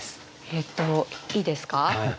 えっといいですか？